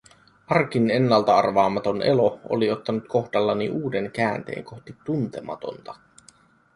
Arkin ennalta arvaamaton elo oli ottanut kohdallani uuden käänteen kohti tuntematonta.